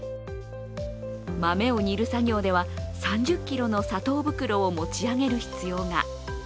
豆を煮る作業では３０ｋｇの砂糖袋を持ち上げる必要が。